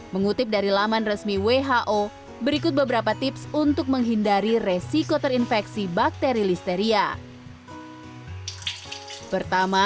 mengutip dari laman resmi who berikut beberapa tips untuk menghindari resiko terinfeksi bakteri listeria